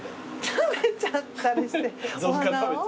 食べちゃったりしてお花を。